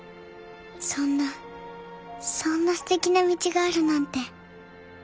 そんなそんなすてきな道があるなんて。